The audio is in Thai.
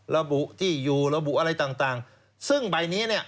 ระบุที่อยู่ระบุอะไรต่างต่างซึ่งใบนี้เนี่ย